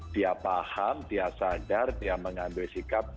dia paham dia sadar dia mengambil sikap